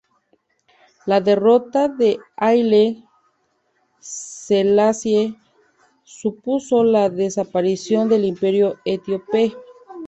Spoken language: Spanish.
La derrota de Haile Selassie supuso la desaparición del Imperio Etíope.